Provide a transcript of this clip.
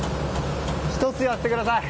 １つ言わせてください。